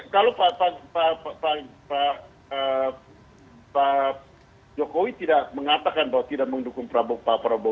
kalau pak jokowi tidak mengatakan bahwa tidak mendukung pak prabowo